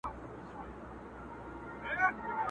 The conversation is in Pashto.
دا لار د تلو راتلو ده څوک به ځي څوک به راځي٫